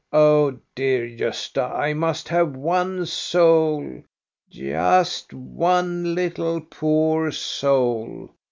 "Oh, dear Gosta, I must have one soul, just one little, poor soul.